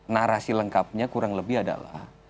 narasi lengkapnya kurang lebih adalah